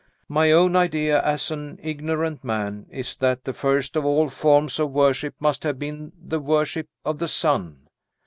My own idea, as an ignorant man, is that the first of all forms of worship must have been the worship of the sun.